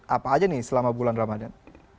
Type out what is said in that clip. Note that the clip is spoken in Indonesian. apa aja nih selama bulan ramadan